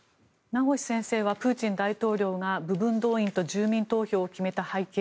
名越先生はプーチン大統領が部分動員と住民投票を決めた背景